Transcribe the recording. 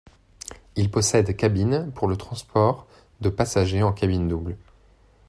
Il possède cabines pour le transport de passagers en cabine double.